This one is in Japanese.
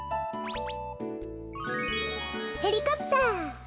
ヘリコプター！